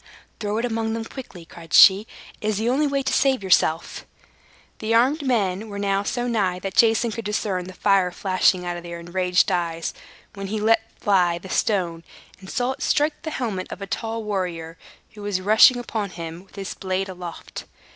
"Throw it among them quickly!" cried she. "It is the only way to save yourself." The armed men were now so nigh that Jason could discern the fire flashing out of their enraged eyes, when he let fly the stone, and saw it strike the helmet of a tall warrior, who was rushing upon him with his blade aloft.